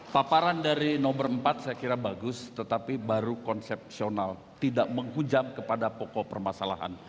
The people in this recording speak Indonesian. paparan dari nomor empat saya kira bagus tetapi baru konsepsional tidak menghujam kepada pokok permasalahan